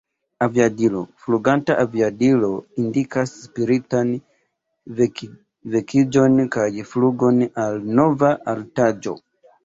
Aviadilo: Fluganta aviadilo indikas spiritan vekiĝon kaj flugon al nova altaĵo.